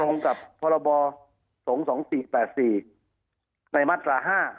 รวมกับพลส๒๔๘๔ในมาตรา๕